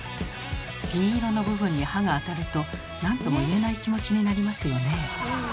銀色の部分に歯があたると何とも言えない気持ちになりますよね。